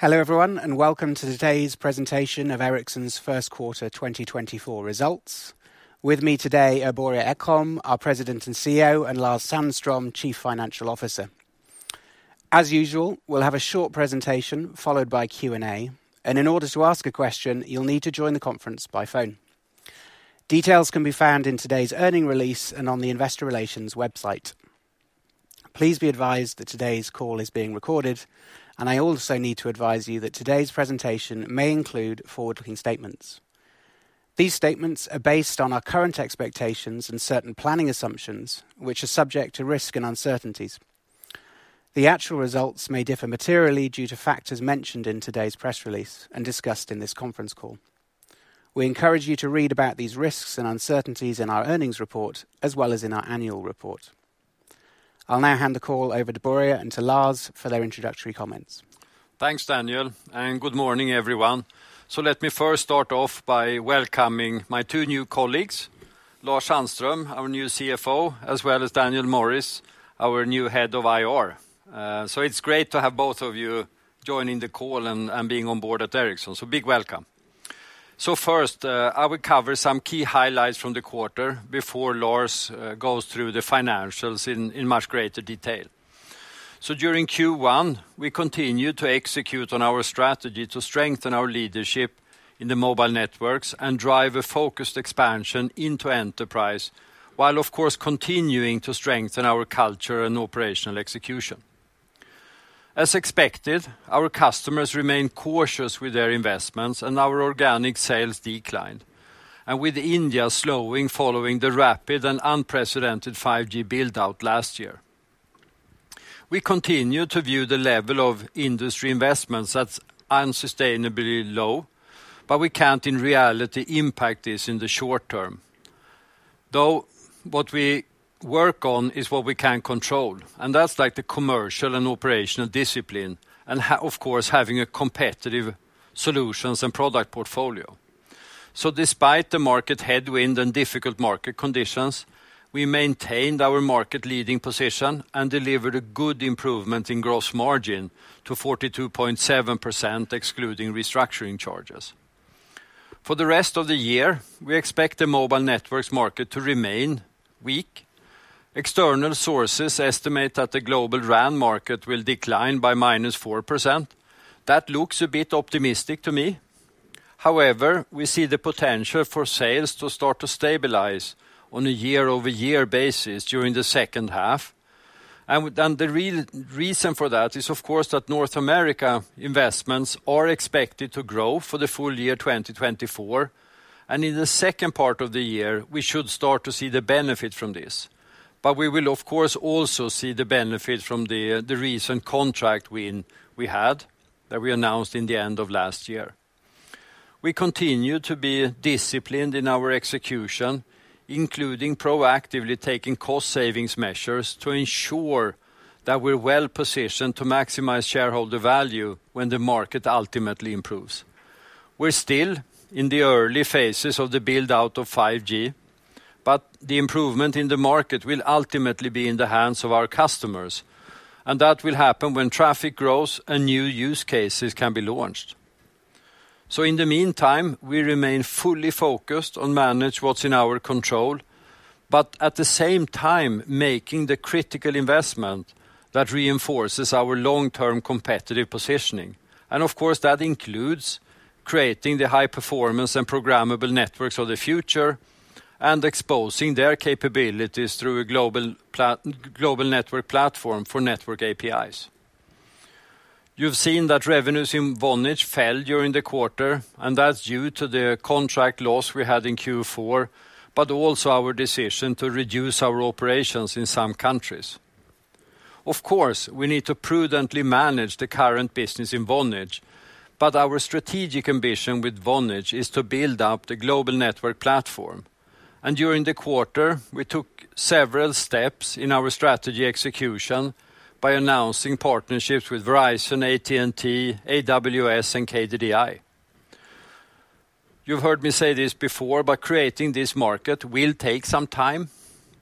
Hello everyone and welcome to today's presentation of Ericsson's first quarter 2024 results. With me today are Börje Ekholm, our President and CEO, and Lars Sandström, Chief Financial Officer. As usual, we'll have a short presentation followed by Q&A, and in order to ask a question you'll need to join the conference by phone. Details can be found in today's earnings release and on the Investor Relations website. Please be advised that today's call is being recorded, and I also need to advise you that today's presentation may include forward-looking statements. These statements are based on our current expectations and certain planning assumptions which are subject to risk and uncertainties. The actual results may differ materially due to factors mentioned in today's press release and discussed in this conference call. We encourage you to read about these risks and uncertainties in our earnings report as well as in our annual report. I'll now hand the call over to Börje and to Lars for their introductory comments. Thanks, Daniel, and good morning everyone. Let me first start off by welcoming my two new colleagues, Lars Sandström, our new CFO, as well as Daniel Morris, our new head of IR. It's great to have both of you joining the call and being on board at Ericsson, so big welcome. First, I will cover some key highlights from the quarter before Lars goes through the financials in much greater detail. During Q1 we continue to execute on our strategy to strengthen our leadership in the mobile networks and drive a focused expansion into enterprise while of course continuing to strengthen our culture and operational execution. As expected, our customers remain cautious with their investments and our organic sales declined, with India slowing following the rapid and unprecedented 5G buildout last year. We continue to view the level of industry investments as unsustainably low, but we can't in reality impact this in the short term. Though what we work on is what we can control, and that's like the commercial and operational discipline and of course having competitive solutions and product portfolio. Despite the market headwind and difficult market conditions, we maintained our market leading position and delivered a good improvement in gross margin to 42.7% excluding restructuring charges. For the rest of the year, we expect the mobile networks market to remain weak. External sources estimate that the global RAN market will decline by -4%. That looks a bit optimistic to me. However, we see the potential for sales to start to stabilize on a year-over-year basis during the second half, and the real reason for that is of course that North America investments are expected to grow for the full year 2024, and in the second part of the year we should start to see the benefit from this. But we will of course also see the benefit from the recent contract win we had that we announced in the end of last year. We continue to be disciplined in our execution, including proactively taking cost savings measures to ensure that we're well positioned to maximize shareholder value when the market ultimately improves. We're still in the early phases of the buildout of 5G, but the improvement in the market will ultimately be in the hands of our customers, and that will happen when traffic grows and new use cases can be launched. In the meantime, we remain fully focused on managing what's in our control, but at the same time making the critical investment that reinforces our long-term competitive positioning. Of course, that includes creating the high-performance and programmable networks of the future and exposing their capabilities through a global network platform for network APIs. You've seen that revenues in Vonage fell during the quarter, and that's due to the contract loss we had in Q4, but also our decision to reduce our operations in some countries. Of course, we need to prudently manage the current business in Vonage, but our strategic ambition with Vonage is to build up the Global Network Platform. During the quarter, we took several steps in our strategy execution by announcing partnerships with Verizon, AT&T, AWS, and KDDI. You've heard me say this before, but creating this market will take some time,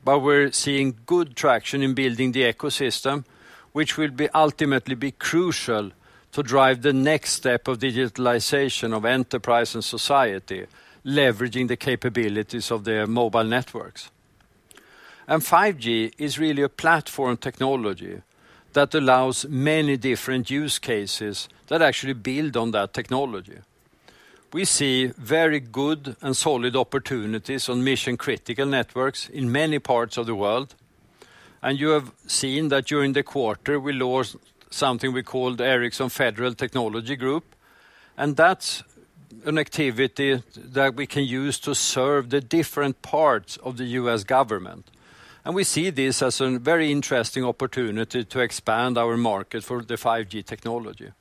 but we're seeing good traction in building the ecosystem, which will ultimately be crucial to drive the next step of digitalization of enterprise and society, leveraging the capabilities of the mobile networks. 5G is really a platform technology that allows many different use cases that actually build on that technology. We see very good and solid opportunities on mission-critical networks in many parts of the world, and you have seen that during the quarter we launched something we called Ericsson Federal Technologies Group, and that's an activity that we can use to serve the different parts of the U.S. government. And we see this as a very interesting opportunity to expand our market for the 5G technology.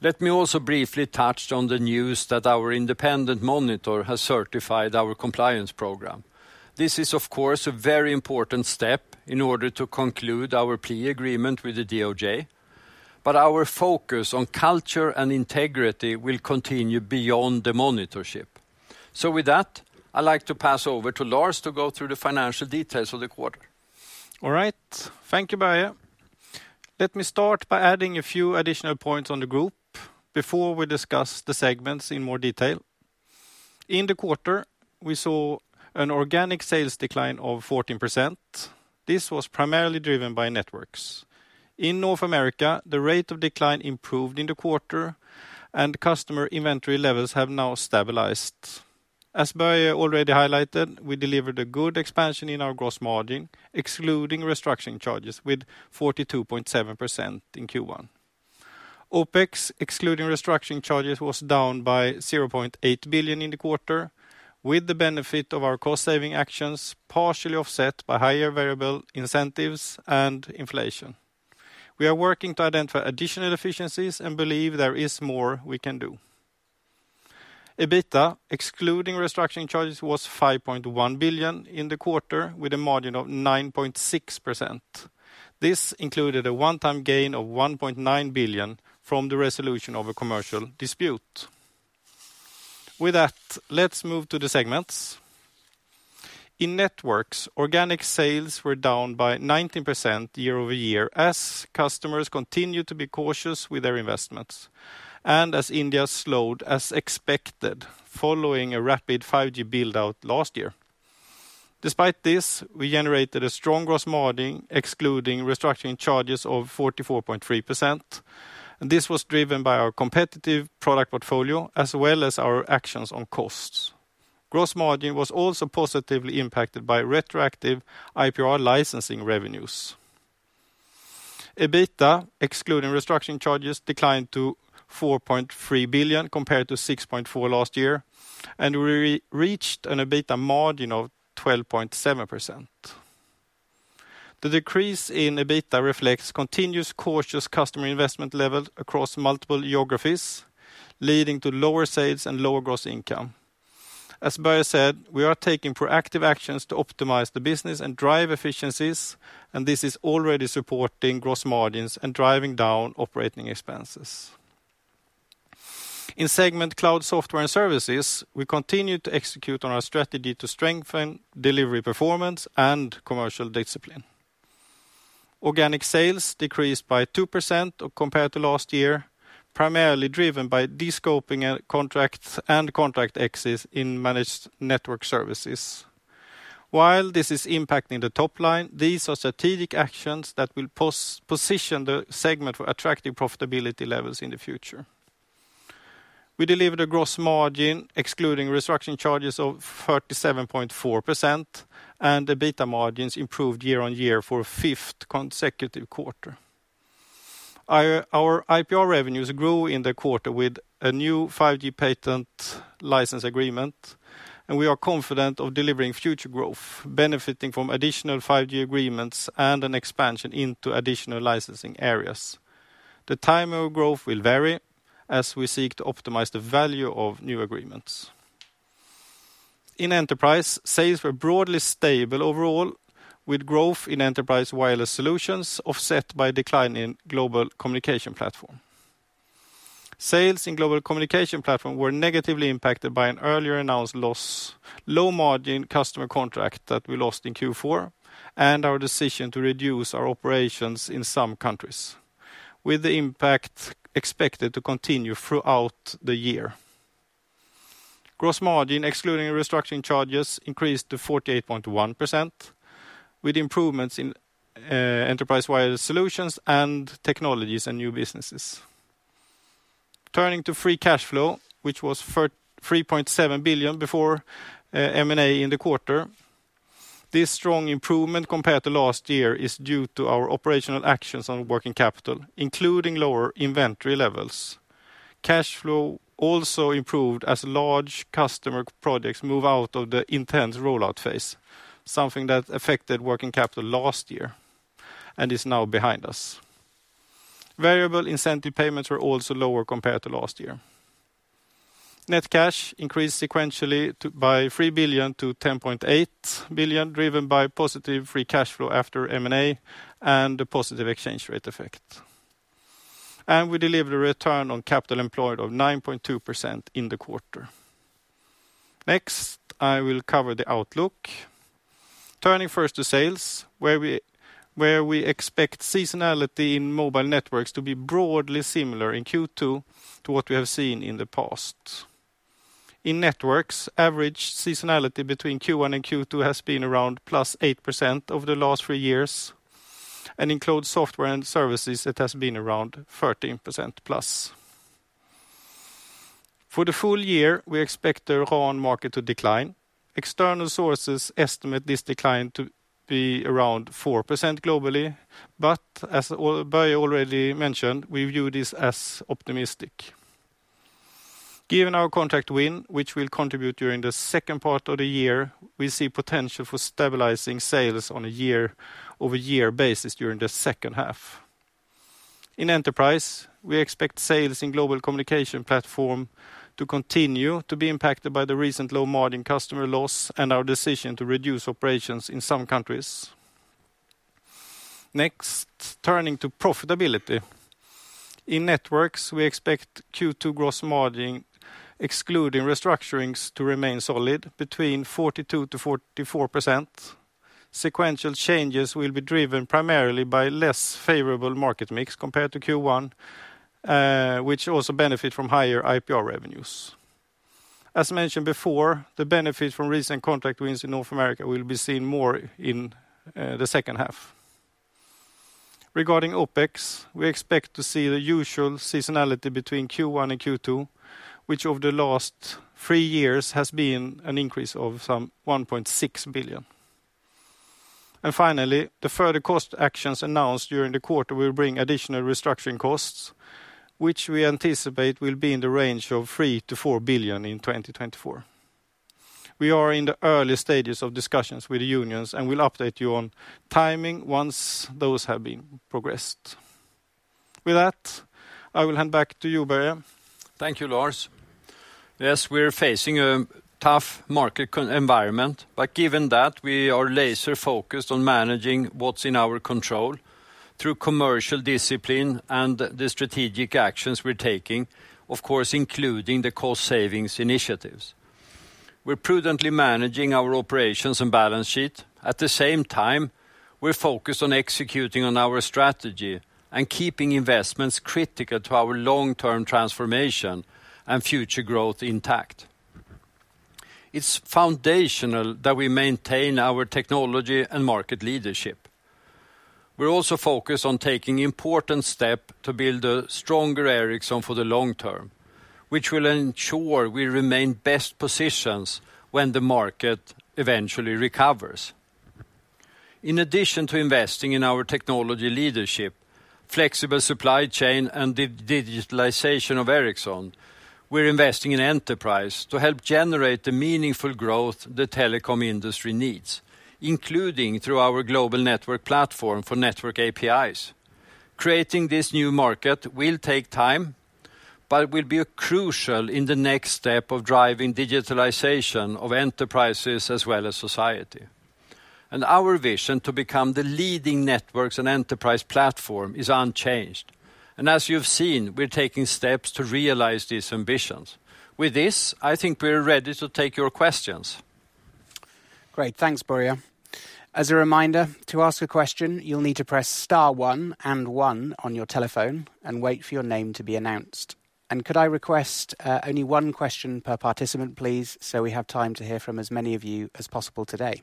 Let me also briefly touch on the news that our independent monitor has certified our compliance program. This is of course a very important step in order to conclude our plea agreement with the DOJ, but our focus on culture and integrity will continue beyond the monitorship. So with that, I'd like to pass over to Lars to go through the financial details of the quarter. All right, thank you Börje. Let me start by adding a few additional points on the group before we discuss the segments in more detail. In the quarter, we saw an organic sales decline of 14%. This was primarily driven by networks. In North America, the rate of decline improved in the quarter, and customer inventory levels have now stabilized. As Börje already highlighted, we delivered a good expansion in our gross margin, excluding restructuring charges, with 42.7% in Q1. OPEX, excluding restructuring charges, was down by 0.8 billion in the quarter, with the benefit of our cost saving actions partially offset by higher variable incentives and inflation. We are working to identify additional efficiencies and believe there is more we can do. EBITDA, excluding restructuring charges, was 5.1 billion in the quarter, with a margin of 9.6%. This included a one-time gain of 1.9 billion from the resolution of a commercial dispute. With that, let's move to the segments. In Networks, organic sales were down by 19% year-over-year as customers continued to be cautious with their investments and as India slowed as expected following a rapid 5G buildout last year. Despite this, we generated a strong gross margin, excluding restructuring charges, of 44.3%, and this was driven by our competitive product portfolio as well as our actions on costs. Gross margin was also positively impacted by retroactive IPR licensing revenues. EBITDA, excluding restructuring charges, declined to 4.3 billion compared to 6.4 billion last year, and we reached an EBITDA margin of 12.7%. The decrease in EBITDA reflects continuous cautious customer investment levels across multiple geographies, leading to lower sales and lower gross income. As Börje said, we are taking proactive actions to optimize the business and drive efficiencies, and this is already supporting gross margins and driving down operating expenses. In segment Cloud Software and Services, we continue to execute on our strategy to strengthen delivery performance and commercial discipline. Organic sales decreased by 2% compared to last year, primarily driven by descoping contracts and contract exits in managed network services. While this is impacting the top line, these are strategic actions that will position the segment for attractive profitability levels in the future. We delivered a gross margin, excluding restructuring charges, of 37.4%, and EBITDA margins improved year-over-year for a fifth consecutive quarter. Our IPR revenues grew in the quarter with a new 5G patent license agreement, and we are confident of delivering future growth, benefiting from additional 5G agreements and an expansion into additional licensing areas. The time of growth will vary as we seek to optimize the value of new agreements. In enterprise, sales were broadly stable overall, with growth in Enterprise Wireless Solutions offset by a decline in Global Communications Platform. Sales in Global Communications Platform were negatively impacted by an earlier announced low-margin customer contract that we lost in Q4 and our decision to reduce our operations in some countries, with the impact expected to continue throughout the year. Gross margin, excluding restructuring charges, increased to 48.1%, with improvements in Enterprise Wireless Solutions and technologies and new businesses. Turning to free cash flow, which was 3.7 billion before M&A in the quarter. This strong improvement compared to last year is due to our operational actions on working capital, including lower inventory levels. Cash flow also improved as large customer projects move out of the intense rollout phase, something that affected working capital last year and is now behind us. Variable incentive payments were also lower compared to last year. Net cash increased sequentially by 3 billion to 10.8 billion, driven by positive free cash flow after M&A and the positive exchange rate effect. We delivered a return on capital employed of 9.2% in the quarter. Next, I will cover the outlook. Turning first to sales, where we expect seasonality in mobile networks to be broadly similar in Q2 to what we have seen in the past. In networks, average seasonality between Q1 and Q2 has been around +8% over the last 3 years, in Cloud Software and Services, it has been around +13%. For the full year, we expect the RAN market to decline. External sources estimate this decline to be around 4% globally, but as Börje already mentioned, we view this as optimistic. Given our contract win, which will contribute during the second part of the year, we see potential for stabilizing sales on a year-over-year basis during the second half. In enterprise, we expect sales in Global Communications Platform to continue to be impacted by the recent low-margin customer loss and our decision to reduce operations in some countries. Next, turning to profitability. In Networks, we expect Q2 gross margin, excluding restructurings, to remain solid between 42%-44%. Sequential changes will be driven primarily by less favorable market mix compared to Q1, which also benefits from higher IPR revenues. As mentioned before, the benefits from recent contract wins in North America will be seen more in the second half. Regarding OPEX, we expect to see the usual seasonality between Q1 and Q2, which over the last three years has been an increase of some 1.6 billion. Finally, the further cost actions announced during the quarter will bring additional restructuring costs, which we anticipate will be in the range of 3 billion-4 billion in 2024. We are in the early stages of discussions with the unions and will update you on timing once those have been progressed. With that, I will hand back to you, Börje. Thank you, Lars. Yes, we're facing a tough market environment, but given that, we are laser-focused on managing what's in our control through commercial discipline and the strategic actions we're taking, of course including the cost savings initiatives. We're prudently managing our operations and balance sheet. At the same time, we're focused on executing on our strategy and keeping investments critical to our long-term transformation and future growth intact. It's foundational that we maintain our technology and market leadership. We're also focused on taking important steps to build a stronger Ericsson for the long term, which will ensure we remain best positions when the market eventually recovers. In addition to investing in our technology leadership, flexible supply chain, and digitalization of Ericsson, we're investing in enterprise to help generate the meaningful growth the telecom industry needs, including through our global network platform for network APIs. Creating this new market will take time, but will be crucial in the next step of driving digitalization of enterprises as well as society. Our vision to become the leading networks and enterprise platform is unchanged. As you've seen, we're taking steps to realize these ambitions. With this, I think we're ready to take your questions. Great. Thanks, Börje. As a reminder, to ask a question, you'll need to press star one and one on your telephone and wait for your name to be announced. And could I request only one question per participant, please, so we have time to hear from as many of you as possible today?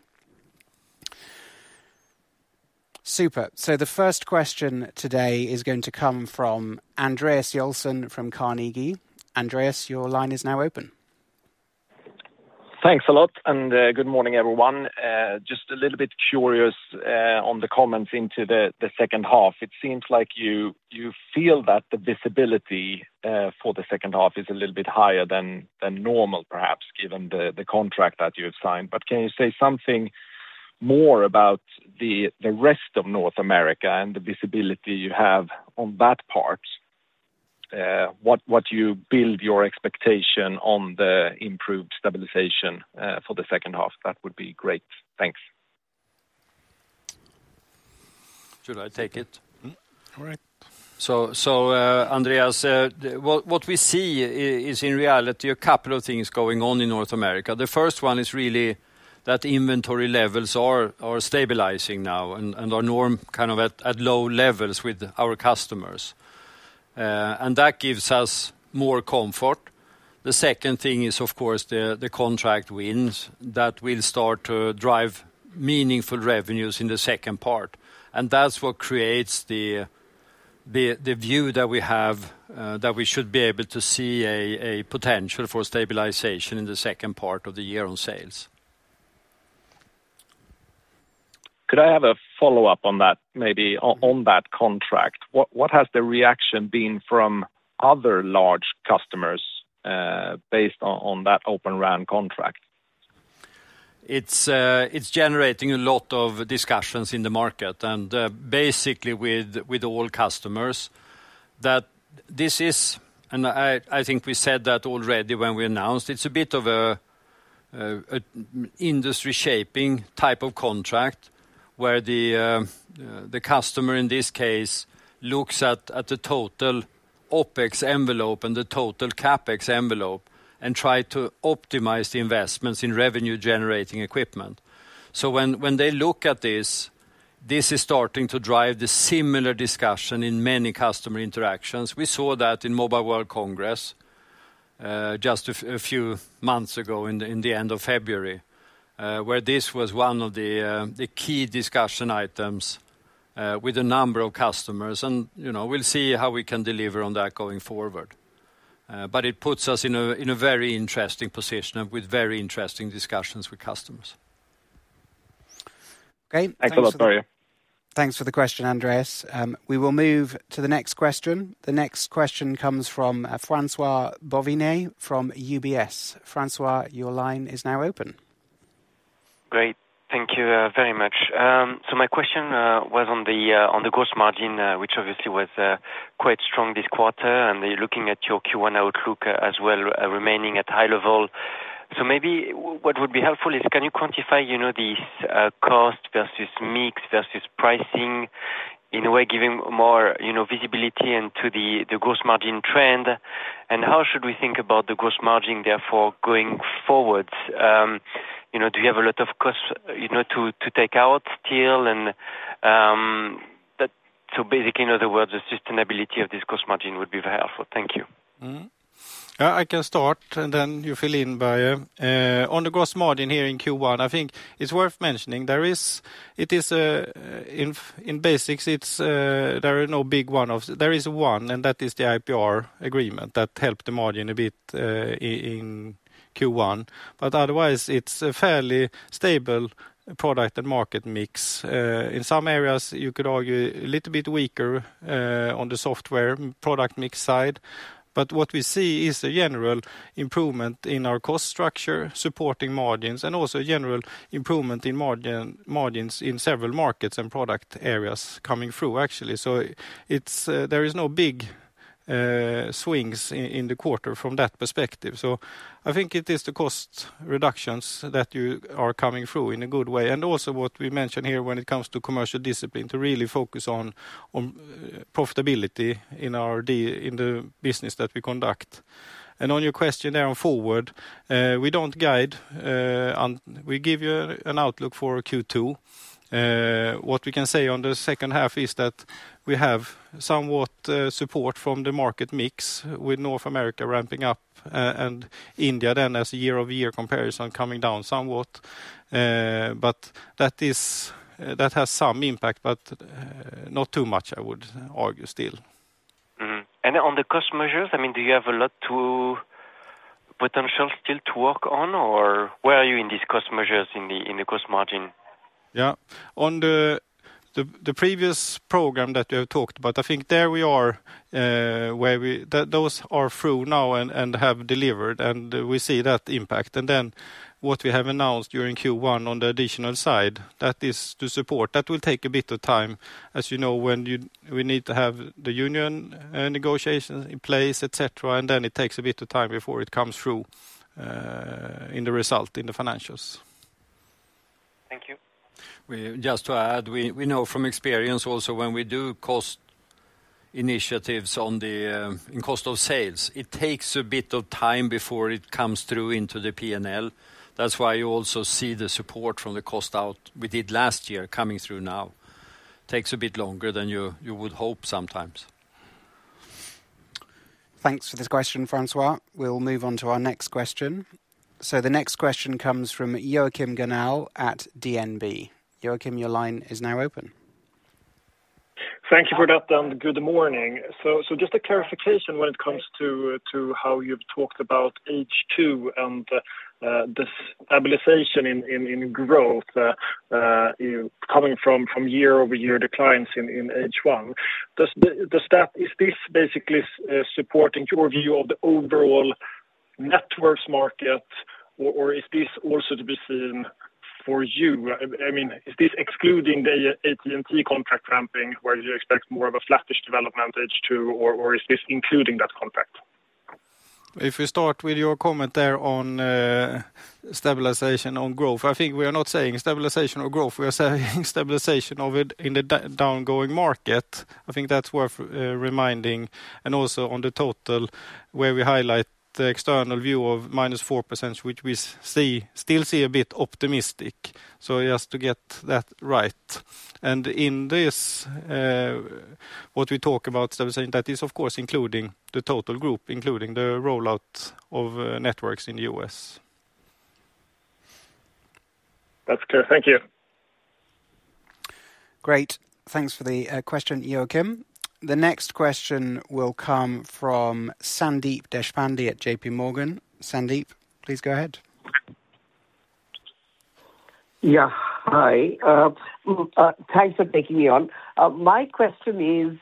Super. So the first question today is going to come from Andreas Joelsson from Carnegie. Andreas, your line is now open. Thanks a lot and good morning, everyone. Just a little bit curious on the comments into the second half. It seems like you feel that the visibility for the second half is a little bit higher than normal, perhaps, given the contract that you've signed. But can you say something more about the rest of North America and the visibility you have on that part? What you build your expectation on the improved stabilization for the second half, that would be great. Thanks. Should I take it? All right. So, Andreas, what we see is in reality a couple of things going on in North America. The first one is really that inventory levels are stabilizing now and are normal kind of at low levels with our customers. And that gives us more comfort. The second thing is, of course, the contract wins that will start to drive meaningful revenues in the second part. And that's what creates the view that we have that we should be able to see a potential for stabilization in the second part of the year on sales. Could I have a follow-up on that, maybe on that contract? What has the reaction been from other large customers based on that Open RAN contract? It's generating a lot of discussions in the market and basically with all customers that this is, and I think we said that already when we announced it's a bit of an industry-shaping type of contract where the customer in this case looks at the total OPEX envelope and the total CAPEX envelope and tries to optimize the investments in revenue-generating equipment. So when they look at this, this is starting to drive the similar discussion in many customer interactions. We saw that in Mobile World Congress just a few months ago at the end of February where this was one of the key discussion items with a number of customers. And we'll see how we can deliver on that going forward. But it puts us in a very interesting position with very interesting discussions with customers. Okay. Thanks a lot, Börje. Thanks for the question, Andreas. We will move to the next question. The next question comes from François-Xavier Bouvignies from UBS. François, your line is now open. Great. Thank you very much. So my question was on the gross margin, which obviously was quite strong this quarter and looking at your Q1 outlook as well remaining at high level. So maybe what would be helpful is can you quantify these costs versus mix versus pricing in a way giving more visibility into the gross margin trend? And how should we think about the gross margin, therefore, going forward? Do you have a lot of costs to take out still? And so basically, in other words, the sustainability of this gross margin would be very helpful. Thank you. I can start and then you fill in, Börje. On the gross margin here in Q1, I think it's worth mentioning there is, in essence, there are no big one-offs. There is one and that is the IPR agreement that helped the margin a bit in Q1. But otherwise, it's a fairly stable product and market mix. In some areas, you could argue a little bit weaker on the software product mix side. But what we see is a general improvement in our cost structure supporting margins and also a general improvement in margins in several markets and product areas coming through, actually. So there are no big swings in the quarter from that perspective. So I think it is the cost reductions that are coming through in a good way. Also what we mentioned here when it comes to commercial discipline to really focus on profitability in the business that we conduct. On your question there on forward, we don't guide. We give you an outlook for Q2. What we can say on the second half is that we have somewhat support from the market mix with North America ramping up and India then as a year-over-year comparison coming down somewhat. But that has some impact, but not too much, I would argue, still. On the cost measures, I mean, do you have a lot of potential still to work on or where are you in these cost measures in the gross margin? Yeah. On the previous program that you have talked about, I think there we are where those are through now and have delivered and we see that impact. And then what we have announced during Q1 on the additional side, that is to support. That will take a bit of time, as you know, when we need to have the union negotiations in place, etc., and then it takes a bit of time before it comes through in the result in the financials. Thank you. Just to add, we know from experience also when we do cost initiatives in cost of sales, it takes a bit of time before it comes through into the P&L. That's why you also see the support from the cost out we did last year coming through now. Takes a bit longer than you would hope sometimes. Thanks for this question, François. We'll move on to our next question. The next question comes from Joachim Gunell at DNB. Joachim, your line is now open. Thank you for that and good morning. So just a clarification when it comes to how you've talked about H2 and this stabilization in growth coming from year-over-year declines in H1. Is this basically supporting your view of the overall networks market or is this also to be seen for you? I mean, is this excluding the AT&T contract ramping where you expect more of a flatter development H2 or is this including that contract? If we start with your comment there on stabilization on growth, I think we are not saying stabilization or growth. We are saying stabilization in the downgoing market. I think that's worth reminding. And also on the total where we highlight the external view of -4%, which we still see a bit optimistic. So just to get that right. In this, what we talk about, that is, of course, including the total group, including the rollout of networks in the U.S. That's clear. Thank you. Great. Thanks for the question, Joachim. The next question will come from Sandeep Deshpande at J.P. Morgan. Sandeep, please go ahead. Yeah, hi. Thanks for taking me on. My question is,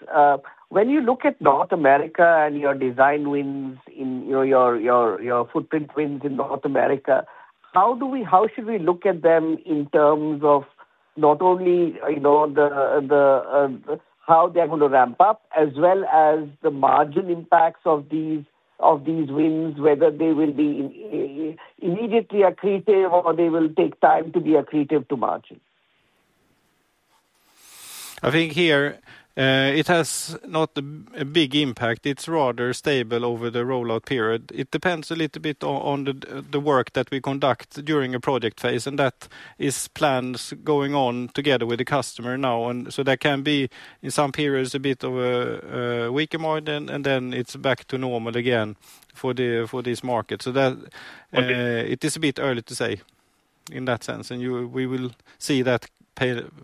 when you look at North America and your design wins in your footprint wins in North America, how should we look at them in terms of not only how they're going to ramp up as well as the margin impacts of these wins, whether they will be immediately accretive or they will take time to be accretive to margin? I think here it has not a big impact. It's rather stable over the rollout period. It depends a little bit on the work that we conduct during a project phase and that is plans going on together with the customer now. And so there can be in some periods a bit of a weaker margin and then it's back to normal again for these markets. So it is a bit early to say in that sense and we will see that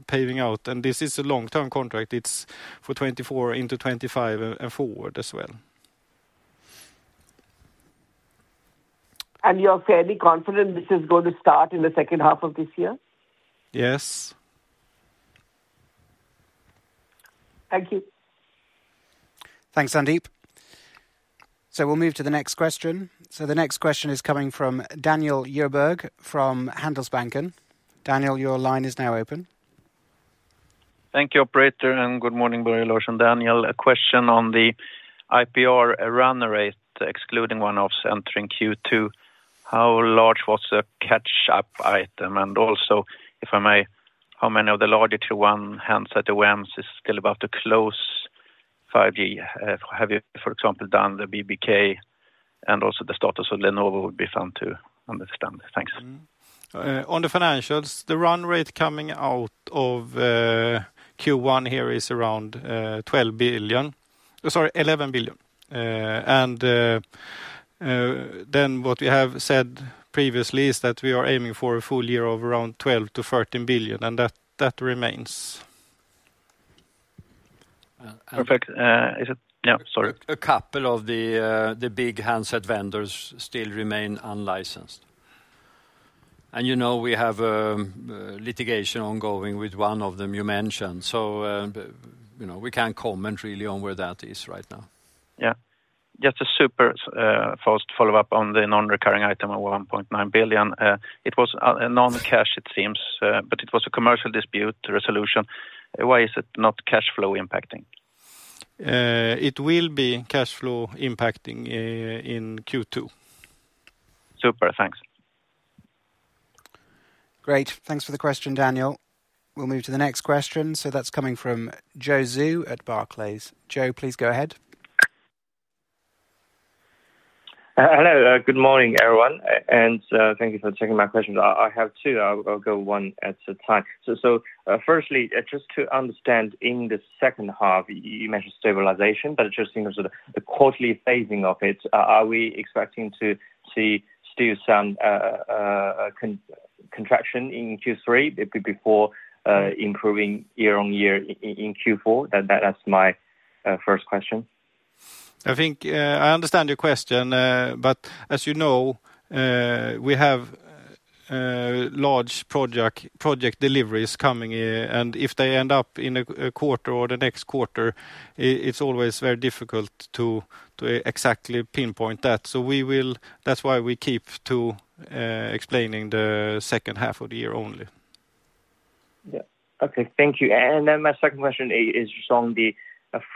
playing out. And this is a long-term contract. It's for 2024 into 2025 and forward as well. You're fairly confident this is going to start in the second half of this year? Yes. Thank you. Thanks, Sandeep. So we'll move to the next question. So the next question is coming from Daniel Djurberg from Handelsbanken. Daniel, your line is now open. Thank you, operator, and good morning, Börje, Lars, and Daniel. A question on the IPR run rate, excluding one-offs entering Q2. How large was the catch-up item? And also, if I may, how many of the larger Q1 hints at OEMs is still about to close 5G? Have you, for example, done the BBK and also the status of Lenovo would be fun to understand. Thanks. On the financials, the run rate coming out of Q1 here is around 12 billion. Sorry, 11 billion. Then what we have said previously is that we are aiming for a full year of around 12-13 billion and that remains. Perfect. Is it? Yeah, sorry. A couple of the big handset vendors still remain unlicensed. You know we have a litigation ongoing with one of them you mentioned. We can't comment really on where that is right now. Yeah. Just a super fast follow-up on the non-recurring item of 1.9 billion. It was non-cash, it seems, but it was a commercial dispute resolution. Why is it not cash flow impacting? It will be cash flow impacting in Q2. Super. Thanks. Great. Thanks for the question, Daniel. We'll move to the next question. That's coming from Joseph Zhou at Barclays. Joseph, please go ahead. Hello. Good morning, everyone. Thank you for checking my questions. I have two. I'll go one at a time. So firstly, just to understand in the second half, you mentioned stabilization, but just in terms of the quarterly phasing of it, are we expecting to see still some contraction in Q3 before improving year-on-year in Q4? That's my first question. I think I understand your question, but as you know, we have large project deliveries coming in and if they end up in a quarter or the next quarter, it's always very difficult to exactly pinpoint that. That's why we keep explaining the second half of the year only. Yeah. Okay. Thank you. And then my second question is on the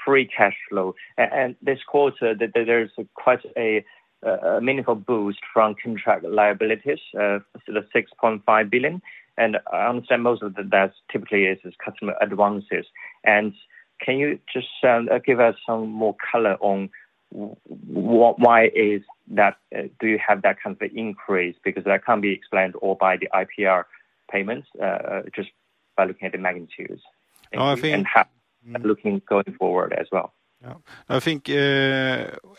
free cash flow. And this quarter, there's quite a meaningful boost from contract liabilities to the 6.5 billion. And I understand most of that typically is customer advances. And can you just give us some more color on why do you have that kind of increase? Because that can't be explained all by the IPR payments just by looking at the magnitudes and going forward as well. Yeah. I think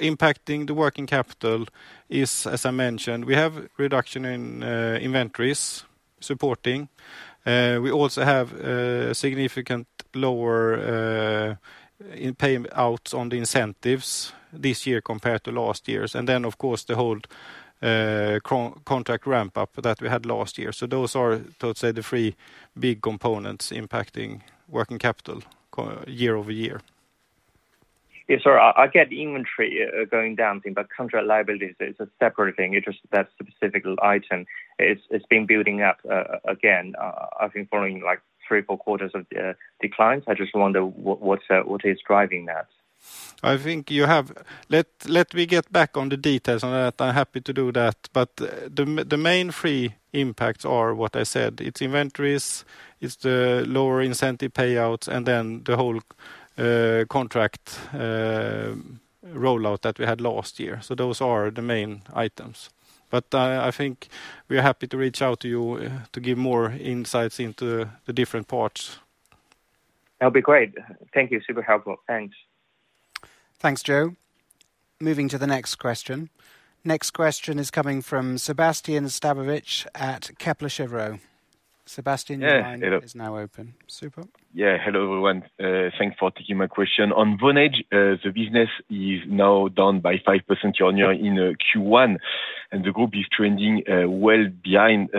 impacting the working capital is, as I mentioned, we have reduction in inventories supporting. We also have significant lower payouts on the incentives this year compared to last years. And then, of course, the whole contract ramp-up that we had last year. So those are, so to say, the three big components impacting working capital year-over-year. Yes, sir. I get inventory going down thing, but contract liabilities, it's a separate thing. It's just that specific item. It's been building up again, I think, following like 3, 4 quarters of declines. I just wonder what is driving that. I think you have let me get back on the details on that. I'm happy to do that. The main three impacts are what I said. It's inventories, it's the lower incentive payouts, and then the whole contract rollout that we had last year. Those are the main items. I think we are happy to reach out to you to give more insights into the different parts. That'll be great. Thank you. Super helpful. Thanks. Thanks, Joe. Moving to the next question. Next question is coming from Sébastien Sztabowicz at Kepler Cheuvreux. Sébastien, your line is now open. Super. Yeah. Hello everyone. Thanks for taking my question. On Vonage, the business is now down by 5% year-over-year in Q1 and the group is trending well behind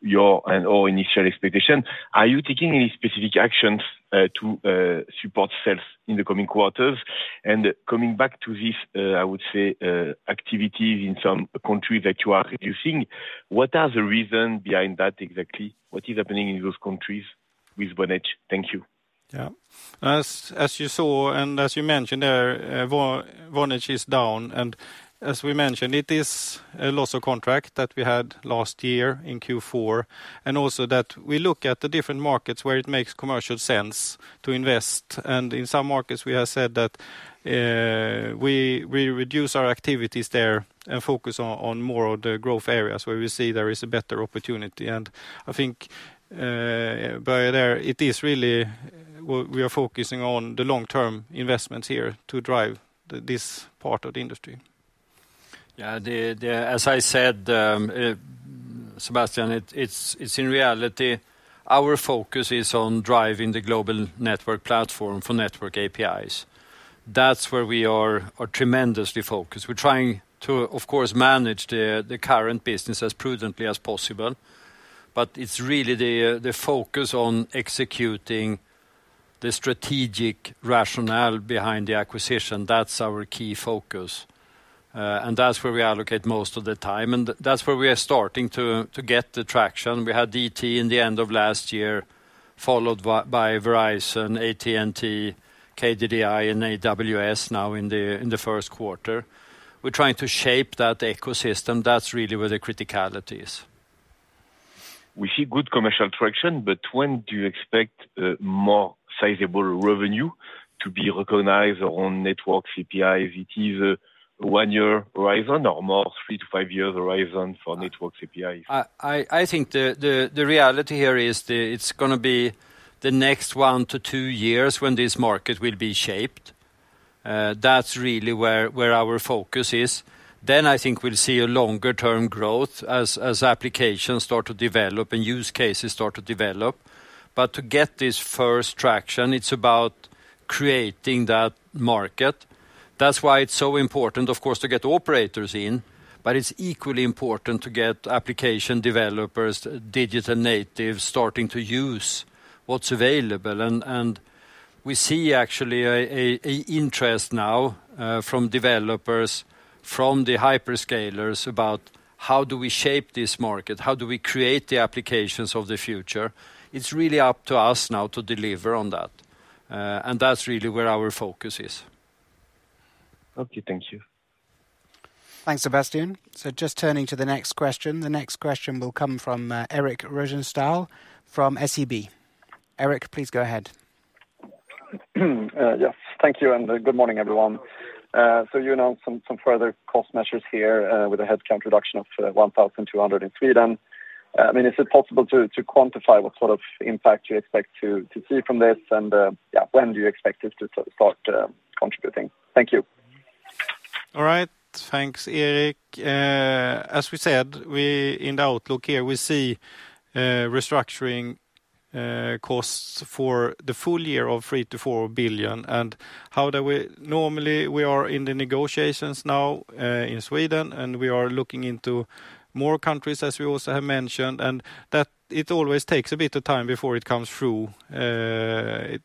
your and/or initial expectation. Are you taking any specific actions to support sales in the coming quarters? And coming back to this, I would say activities in some countries that you are reducing, what are the reasons behind that exactly? What is happening in those countries with Vonage? Thank you. Yeah. As you saw and as you mentioned there, Vonage is down. And as we mentioned, it is a loss of contract that we had last year in Q4 and also that we look at the different markets where it makes commercial sense to invest. And in some markets, we have said that we reduce our activities there and focus on more of the growth areas where we see there is a better opportunity. And I think, Börje there, it is really we are focusing on the long-term investments here to drive this part of the industry. Yeah. As I said, Sébastien, it's in reality our focus is on driving the Global Network Platform for Network APIs. That's where we are tremendously focused. We're trying to, of course, manage the current business as prudently as possible. But it's really the focus on executing the strategic rationale behind the acquisition. That's our key focus. And that's where we allocate most of the time. And that's where we are starting to get the traction. We had DT in the end of last year followed by Verizon, AT&T, KDDI, and AWS now in the first quarter. We're trying to shape that ecosystem. That's really where the criticality is. We see good commercial traction, but when do you expect more sizable revenue to be recognized on network APIs? It is a 1-year horizon or more 3-5 years horizon for network APIs? I think the reality here is it's going to be the next 1-2 years when this market will be shaped. That's really where our focus is. Then I think we'll see a longer-term growth as applications start to develop and use cases start to develop. But to get this first traction, it's about creating that market. That's why it's so important, of course, to get operators in, but it's equally important to get application developers, digital natives, starting to use what's available. And we see actually an interest now from developers, from the hyperscalers about how do we shape this market? How do we create the applications of the future? It's really up to us now to deliver on that. And that's really where our focus is. Okay. Thank you. Thanks, Sébastien. Just turning to the next question. The next question will come from Erik Rosenstahl from SEB. Eric, please go ahead. Yes. Thank you and good morning, everyone. So you announced some further cost measures here with a headcount reduction of 1,200 in Sweden. I mean, is it possible to quantify what sort of impact you expect to see from this and when do you expect this to start contributing? Thank you. All right. Thanks, Eric. As we said, in the outlook here, we see restructuring costs for the full year of 3 billion-4 billion. Normally, we are in the negotiations now in Sweden and we are looking into more countries, as we also have mentioned. And it always takes a bit of time before it comes through,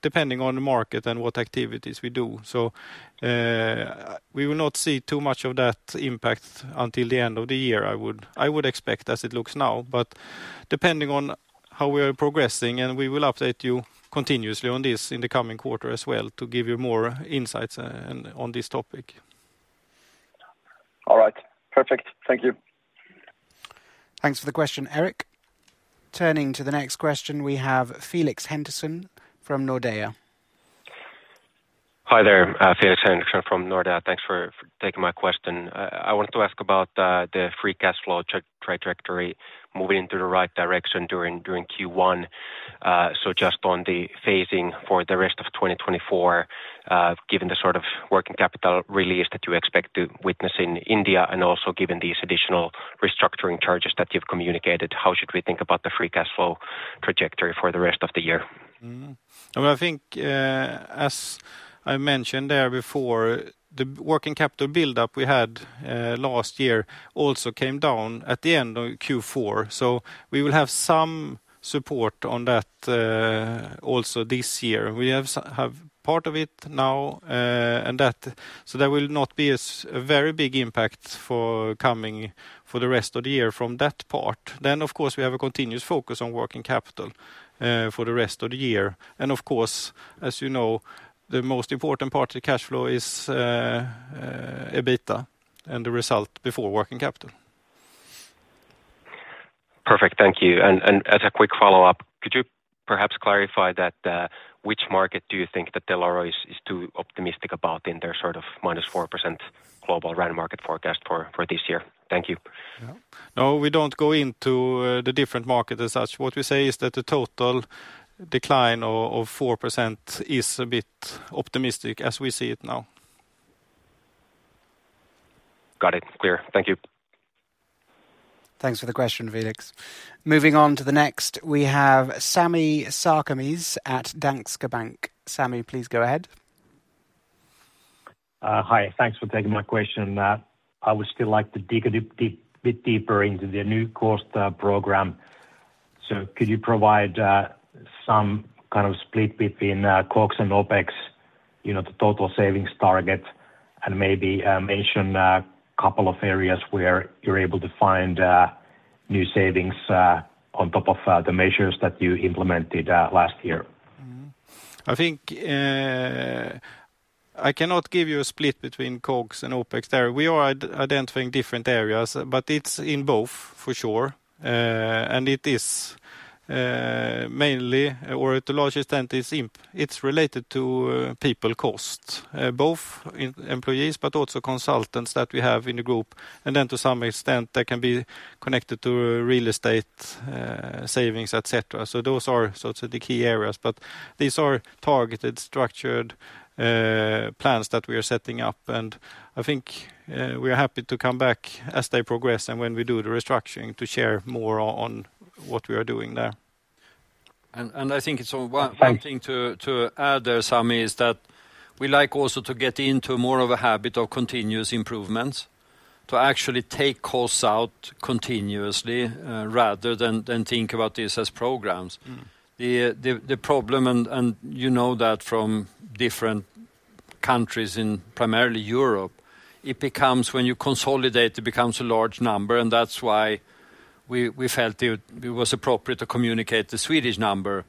depending on the market and what activities we do. So we will not see too much of that impact until the end of the year, I would expect, as it looks now. But depending on how we are progressing, and we will update you continuously on this in the coming quarter as well to give you more insights on this topic. All right. Perfect. Thank you. Thanks for the question, Eric. Turning to the next question, we have Felix Henriksson from Nordea. Hi there. Felix Henriksson from Nordea. Thanks for taking my question. I wanted to ask about the free cash flow trajectory moving into the right direction during Q1. So just on the phasing for the rest of 2024, given the sort of working capital release that you expect to witness in India and also given these additional restructuring charges that you've communicated, how should we think about the free cash flow trajectory for the rest of the year? I mean, I think as I mentioned there before, the working capital buildup we had last year also came down at the end of Q4. So we will have some support on that also this year. We have part of it now and that. So there will not be a very big impact for the rest of the year from that part. Then, of course, we have a continuous focus on working capital for the rest of the year. And of course, as you know, the most important part of the cash flow is EBITDA and the result before working capital. Perfect. Thank you. And as a quick follow-up, could you perhaps clarify which market do you think that Dell'Oro is too optimistic about in their sort of -4% global RAN market forecast for this year? Thank you. No, we don't go into the different markets as such. What we say is that the total decline of 4% is a bit optimistic as we see it now. Got it. Clear. Thank you. Thanks for the question, Felix. Moving on to the next, we have Sami Sarkamies at Danske Bank. Sammy, please go ahead. Hi. Thanks for taking my question. I would still like to dig a bit deeper into the new cost program. Could you provide some kind of split between COGS and OPEX, the total savings target, and maybe mention a couple of areas where you're able to find new savings on top of the measures that you implemented last year? I think I cannot give you a split between COGS and OPEX there. We are identifying different areas, but it's in both for sure. And it is mainly, or to a large extent, it's related to people cost, both employees but also consultants that we have in the group. And then to some extent, that can be connected to real estate savings, etc. So those are sort of the key areas. But these are targeted, structured plans that we are setting up. And I think we are happy to come back as they progress and when we do the restructuring to share more on what we are doing there. I think it's one thing to add there, Sammy, is that we like also to get into more of a habit of continuous improvements, to actually take costs out continuously rather than think about this as programs. The problem, and you know that from different countries in primarily Europe, it becomes when you consolidate, it becomes a large number. That's why we felt it was appropriate to communicate the Swedish number,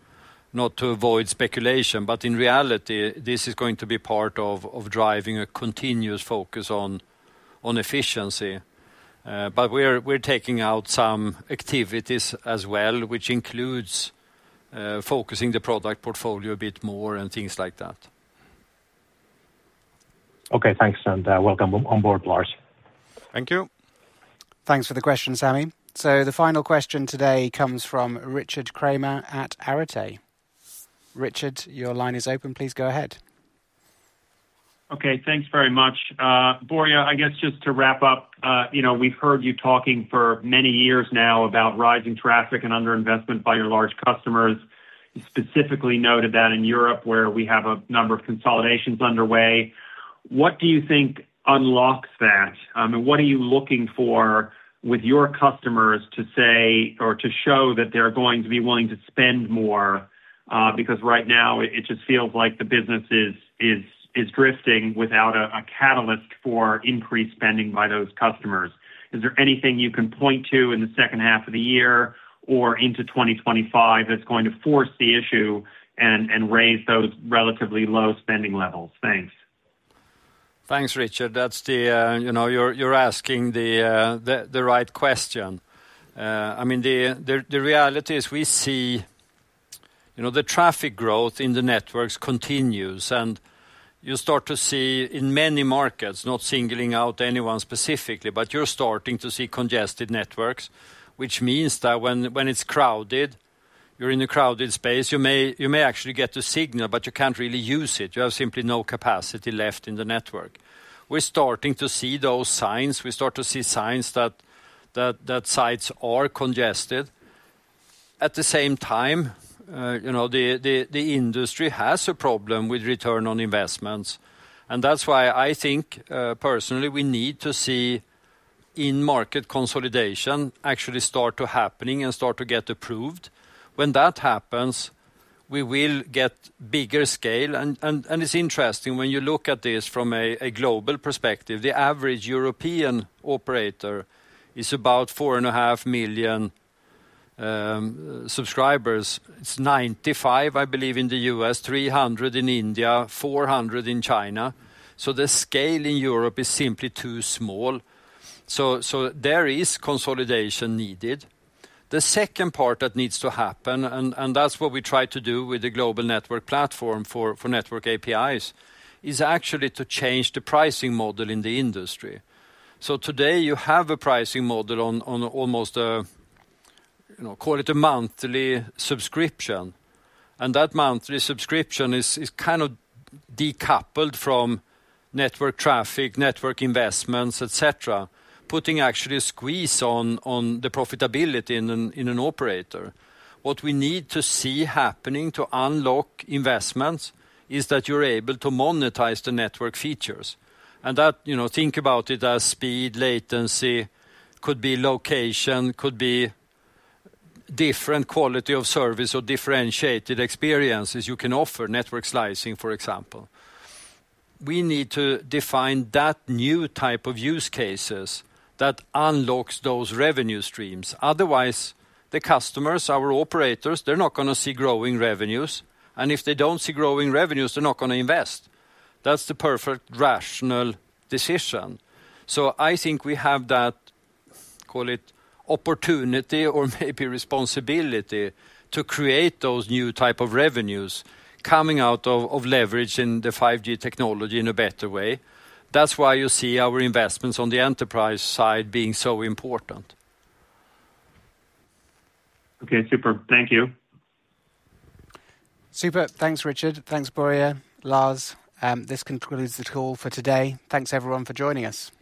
not to avoid speculation. But in reality, this is going to be part of driving a continuous focus on efficiency. But we're taking out some activities as well, which includes focusing the product portfolio a bit more and things like that. Okay. Thanks and welcome on board, Lars. Thank you. Thanks for the question, Sami. So the final question today comes from Richard Kramer at Arete. Richard, your line is open. Please go ahead. Okay. Thanks very much. Börje, I guess just to wrap up, we've heard you talking for many years now about rising traffic and underinvestment by your large customers. You specifically noted that in Europe where we have a number of consolidations underway. What do you think unlocks that? I mean, what are you looking for with your customers to say or to show that they're going to be willing to spend more? Because right now, it just feels like the business is drifting without a catalyst for increased spending by those customers. Is there anything you can point to in the second half of the year or into 2025 that's going to force the issue and raise those relatively low spending levels? Thanks. Thanks, Richard. You're asking the right question. I mean, the reality is we see the traffic growth in the networks continues. And you start to see in many markets, not singling out anyone specifically, but you're starting to see congested networks, which means that when it's crowded, you're in a crowded space, you may actually get the signal, but you can't really use it. You have simply no capacity left in the network. We're starting to see those signs. We start to see signs that sites are congested. At the same time, the industry has a problem with return on investments. And that's why I think personally we need to see in-market consolidation actually start to happening and start to get approved. When that happens, we will get bigger scale. It's interesting when you look at this from a global perspective, the average European operator is about 4.5 million subscribers. It's 95, I believe, in the U.S., 300 in India, 400 in China. The scale in Europe is simply too small. There is consolidation needed. The second part that needs to happen, and that's what we try to do with the Global Network Platform for Network APIs, is actually to change the pricing model in the industry. Today, you have a pricing model on almost a, call it a monthly subscription. And that monthly subscription is kind of decoupled from network traffic, network investments, etc., putting actually a squeeze on the profitability in an operator. What we need to see happening to unlock investments is that you're able to monetize the network features. Think about it as speed, latency, could be location, could be different quality of service or differentiated experiences you can offer, network slicing, for example. We need to define that new type of use cases that unlocks those revenue streams. Otherwise, the customers, our operators, they're not going to see growing revenues. If they don't see growing revenues, they're not going to invest. That's the perfect rational decision. I think we have that, call it opportunity or maybe responsibility to create those new type of revenues coming out of leveraging the 5G technology in a better way. That's why you see our investments on the enterprise side being so important. Okay. Super. Thank you. Super. Thanks, Richard. Thanks, Börje, Lars. This concludes the call for today. Thanks, everyone, for joining us.